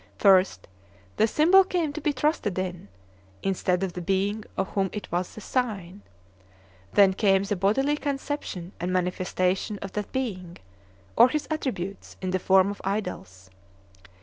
First, the symbol came to be trusted in, instead of the being of whom it was the sign. Then came the bodily conception and manifestation of that being, or his attributes, in the form of idols.